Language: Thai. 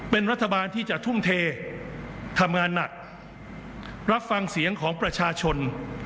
เป็นรัฐบาลที่จะทุ่มเททำงานหนักรับฟังเสียงของประชาชน